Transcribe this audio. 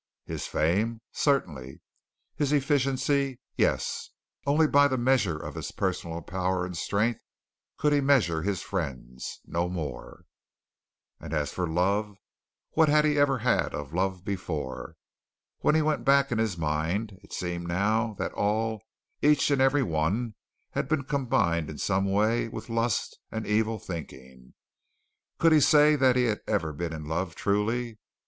His fame? Certainly. His efficiency? Yes. Only by the measure of his personal power and strength could he measure his friends no more. And as for love what had he ever had of love before? When he went back in his mind, it seemed now that all, each, and every one, had been combined in some way with lust and evil thinking. Could he say that he had ever been in love truly?